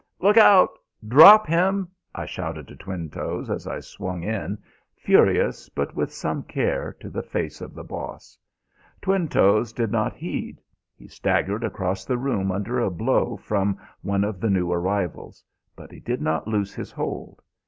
"Look out! Drop him!" I shouted to Twinetoes as I swung in, furious but with some care, to the face of the Boss. Twinetoes did not heed; he staggered across the room under a blow from one of the new arrivals; but he did not loose his hold.